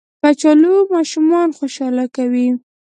کچالو ماشومان خوشحاله کوي